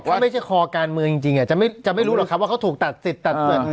ว่าไม่ใช่คอการเมืองจริงจะไม่รู้หรอกครับว่าเขาถูกตัดสิทธิ์